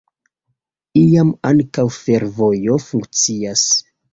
Iam ankaŭ fervojo funkciis.